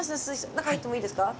中入ってもいいですか？